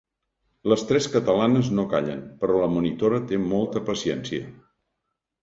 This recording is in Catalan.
Les tres catalanes no callen, però la monitora té molta paciència.